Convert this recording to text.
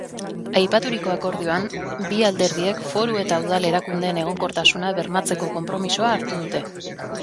Aipaturiko akordioan bi alderdiek foru eta udal erakundeen egonkortasuna bermatzeko konpromisoa hartu dute.